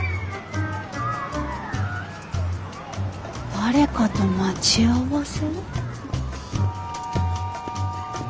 誰かと待ち合わせ？